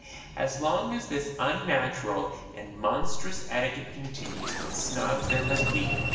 As long as this unnatural and monstrous etiquette continues, Snobs there must be.